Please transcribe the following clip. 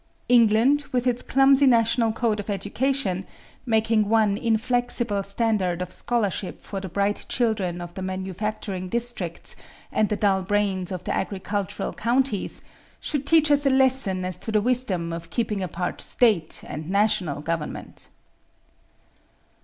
England, with its clumsy national code of education, making one inflexible standard of scholarship for the bright children of the manufacturing districts and the dull brains of the agricultural counties, should teach us a lesson as to the wisdom of keeping apart state and national government.